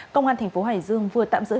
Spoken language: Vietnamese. công an tp hải dương vừa tạm dựng